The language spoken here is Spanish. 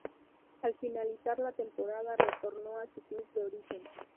Al finalizar la temporada, retornó a su club de origen.